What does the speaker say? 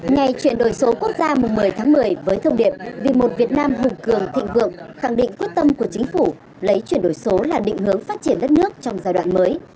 ngày chuyển đổi số quốc gia một mươi tháng một mươi với thông điệp vì một việt nam hùng cường thịnh vượng khẳng định quyết tâm của chính phủ lấy chuyển đổi số là định hướng phát triển đất nước trong giai đoạn mới